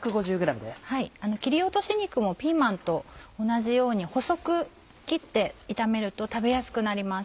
切り落とし肉もピーマンと同じように細く切って炒めると食べやすくなります。